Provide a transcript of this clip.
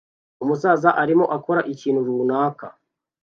umusaza arimo akora ikintu runaka